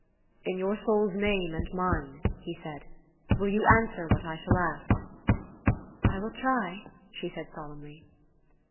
" In your soul's name and mine," he said, " will you answer what I shall ask? "" I will try," she said solemnly.